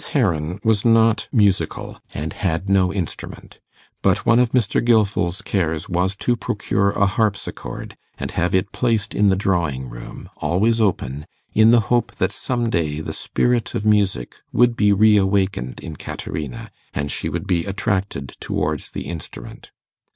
Heron was not musical, and had no instrument; but one of Mr. Gilfil's cares was to procure a harpsichord, and have it placed in the drawing room, always open, in the hope that some day the spirit of music would be reawakened in Caterina, and she would be attracted towards the instrument.